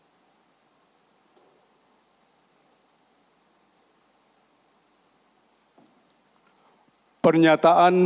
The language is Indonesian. dengan memohon rito allah